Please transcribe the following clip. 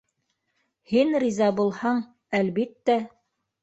Һин риза булһаң, әлбиттә.